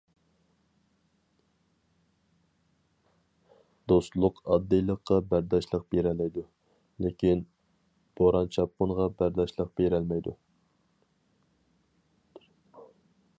دوستلۇق ئاددىيلىققا بەرداشلىق بېرەلەيدۇ، لېكىن بوران-چاپقۇنغا بەرداشلىق بېرەلمەيدۇ.